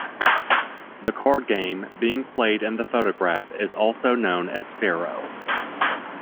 The card game being played in the photograph is known as Faro.